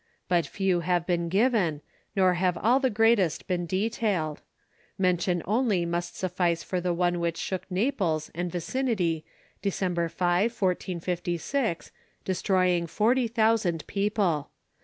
But few have been given, nor have all the greatest been detailed. Mention only must suffice for the one which shook Naples and vicinity, December 5, 1456, destroying forty thousand people.